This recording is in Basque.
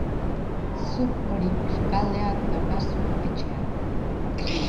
Zuk hori sukaldean daukazu, etxean.